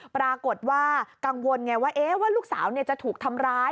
ปรากฏว่ากังวลไงว่าลูกสาวจะถูกทำร้าย